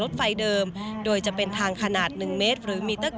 รถไฟเดิมโดยมาเป็นทางขนาด๑เมตร